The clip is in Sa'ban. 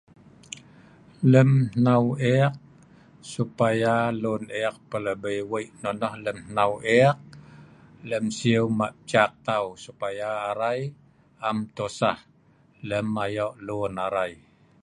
Lem hnau ek, supaya lun ek pelabi wei' nonoh lem hnau ek lem siu mah' ciak tau supaya arai am tosah lem ayo' lun arai.